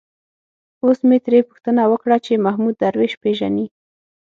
اوس مې ترې پوښتنه وکړه چې محمود درویش پېژني.